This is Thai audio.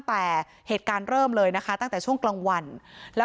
พร้อมด้วยผลตำรวจเอกนรัฐสวิตนันอธิบดีกรมราชทัน